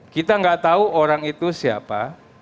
kita nggak tahu orang itu siapa